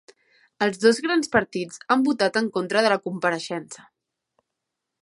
Els dos grans partits han votat en contra de la compareixença